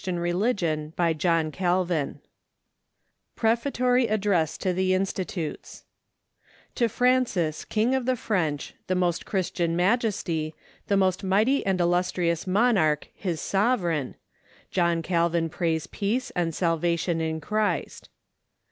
[Signature: Arthur Cushman McGiffert] PREFATORY ADDRESS TO THE 'INSTITUTES' TO FRANCIS, KING OF THE FRENCH, the most Christian Majesty, the most Mighty and Illustrious Monarch, his Sovereign, John Calvin prays peace and salvation in Christ.